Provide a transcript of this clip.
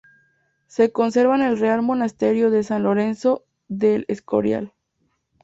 Se conserva en el Real Monasterio de San Lorenzo de El Escorial.